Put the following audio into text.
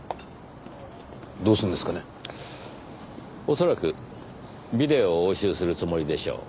恐らくビデオを押収するつもりでしょう。